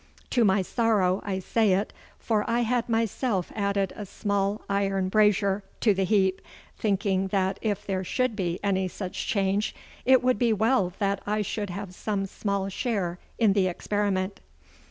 To my sorrow I say it, for I had myself added a small iron brazier to the heap, thinking that if there should be any such change it would be as well that I should have some small share in the experiment.